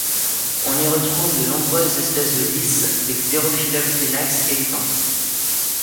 On y retrouve de nombreuses espèces de lys, des xerophyllum tenax et lupins.